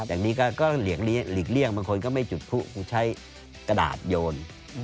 อย่างนี้ก็หลีกเลี่ยงบางคนก็ไม่จุดผู้ใช้กระดาษโยน